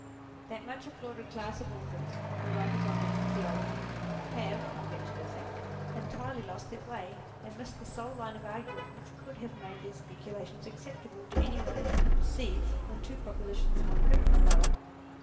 That much applauded class of authors, the writers on natural theology, have, I venture to think, entirety lost their way, and missed the sole line of argument which could have made their speculations acceptable to any one who can perceive when two propositions contradict one another.